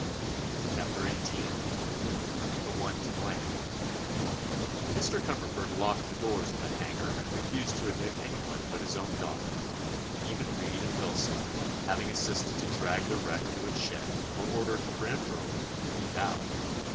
CHAPTER XVIII THE ONE TO BLAME Mr. Cumberford locked the doors of the hangar and refused to admit anyone but his own daughter. Even Reed and Wilson, having assisted to drag the wreck to its shed, were ordered peremptorily to keep out.